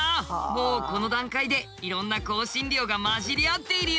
もうこの段階でいろんな香辛料が混じり合っているよ。